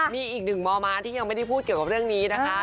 มีอีกหนึ่งมมาที่ยังไม่ได้พูดเกี่ยวกับเรื่องนี้นะคะ